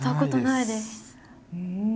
うん。